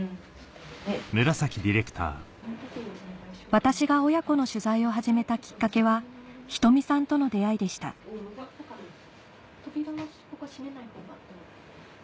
私が親子の取材を始めたきっかけは仁美さんとの出会いでした扉とか閉めない方が。